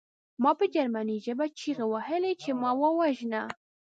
ما په جرمني ژبه چیغې وهلې چې ما ووژنه